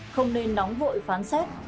không nên nóng vội phán xét